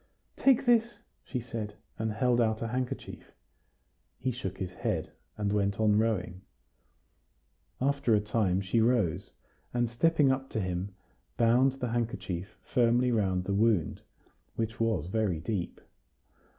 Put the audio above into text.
"Take this," she said, and held out her handkerchief. He shook his head, and went on rowing. After a time she rose, and, stepping up to him, bound the handkerchief firmly round the wound, which was very deep.